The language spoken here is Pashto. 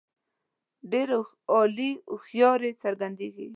ډېره عالي هوښیاري څرګندیږي.